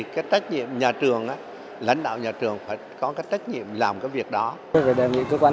các nhà trường nó khó khăn hơn